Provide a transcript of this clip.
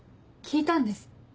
聞いたんです。